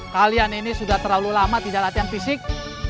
kalian ini sudah terlalu lama tidak latihan fisik